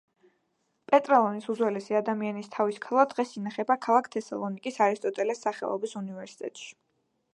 პეტრალონის უძველესი ადამიანის თავის ქალა დღეს ინახება ქალაქ თესალონიკის არისტოტელეს სახელობის უნივერსიტეტში.